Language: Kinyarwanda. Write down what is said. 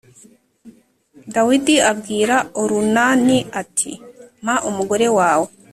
Dawidi abwira Orunani ati mpa umugore wawe